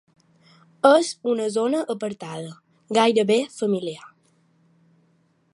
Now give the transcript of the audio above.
És una zona apartada, gairebé familiar.